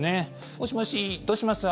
もしもし、どうしましたか？